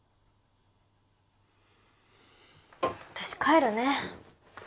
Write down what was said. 私帰るね。